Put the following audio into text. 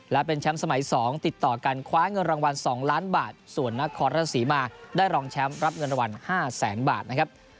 และเป็นแชมป์สมัย๒ติดต่อกันคว้าเงินรางวัล๒ล้านบาทส่วนนครราชศรีมาได้รองแชมป์รับเงินรางวัล๕แสนบาทนะครับ